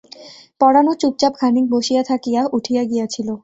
পরাণও চুপচাপ খানিক বসিয়া থাকিয়া উঠিয়া গিয়াছিল।